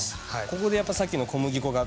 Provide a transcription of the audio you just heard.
ここでやっぱさっきの小麦粉が。